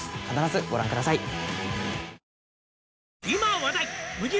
必ずご覧ください。